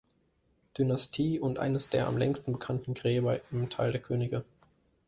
Dynastie und eines der am längsten bekannten Gräber im Tal der Könige.